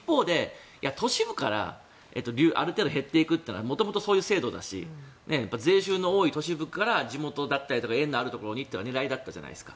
都市部から減っていくのは元々そういう制度だし税収の多い都市部だったりとか縁のあるところにというのが狙いだったじゃないですか。